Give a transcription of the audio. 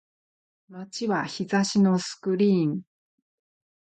街は日差しのスクリーン